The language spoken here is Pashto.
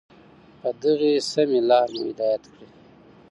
په دغي سمي لار مو هدايت كړې